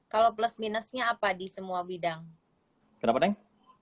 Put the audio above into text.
kalau plus minusnya apa di semua bidang kenapa neng